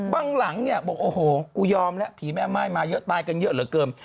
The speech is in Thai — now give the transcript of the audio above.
บางหลังบอกโอ้โหกูยอมแล้วพีชแม่ไม้มาเยอะตายกันเยอะเหลือเกิม